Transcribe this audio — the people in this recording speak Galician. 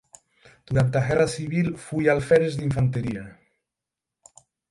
Durante a guerra civil foi alférez de infantería.